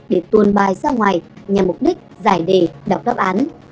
để tuồn bài ra ngoài nhằm mục đích giải đề đọc đáp án